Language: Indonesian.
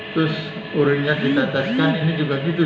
terus uringnya kita teskan ini juga gitu